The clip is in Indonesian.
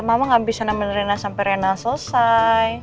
mama gak bisa nanggeli rhena sampai rhena selesai